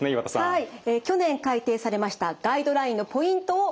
はい。